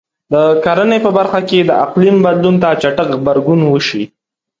د کرنې په برخه کې د اقلیم بدلون ته چټک غبرګون وشي.